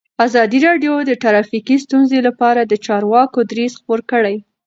ازادي راډیو د ټرافیکي ستونزې لپاره د چارواکو دریځ خپور کړی.